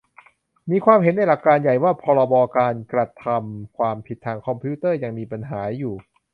มีความเห็นในหลักการใหญ่ว่า พรบการกระทำความผิดทางคอมพิวเตอร์ยังมีปัญหาอยู่